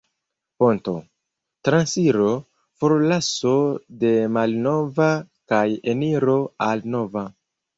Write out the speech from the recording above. Ponto: Transiro, forlaso de malnova kaj eniro al nova.